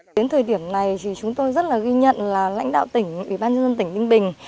đến thời điểm này thì chúng tôi rất là ghi nhận là lãnh đạo tỉnh ủy ban dân tỉnh ninh bình